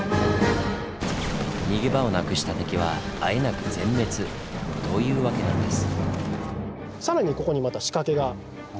逃げ場をなくした敵はあえなく全滅！というわけなんです。